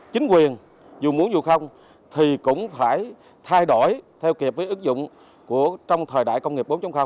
chính quyền dù muốn dù không thì cũng phải thay đổi theo kịp với ước dụng trong thời đại công nghiệp bốn